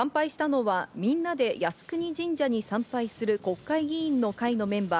参拝したのは、みんなで靖国神社に参拝する国会議員の会のメンバー